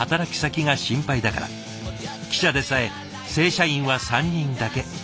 記者でさえ正社員は３人だけ。